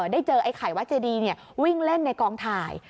ได้เจอไอ้ไข่วัดเจดีวิ่งเล่นในกองถ่าย